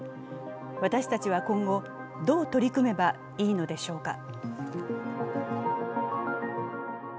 私たちは今後、どう取り組めばいいのでしょうか。